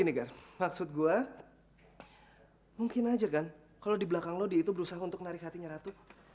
menurut gua mungkin aja kan kalo di belakang lo dia itu berusaha untuk narik hatinya ratu